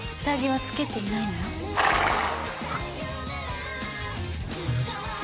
下着はつけていないのよ。